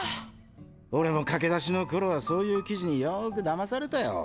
俺も駆け出しの頃はそういう記事によーくだまされたよ。